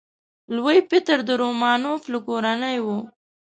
لوی پطر د رومانوف له کورنۍ و.